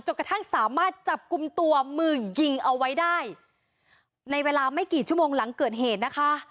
กระทั่งสามารถจับกลุ่มตัวมือยิงเอาไว้ได้ในเวลาไม่กี่ชั่วโมงหลังเกิดเหตุนะคะ